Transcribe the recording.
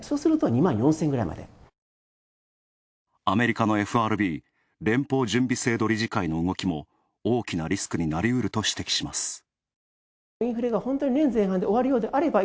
アメリカのＦＲＢ＝連邦準備制度理事会の動きも大きなリスクになるうると指摘します。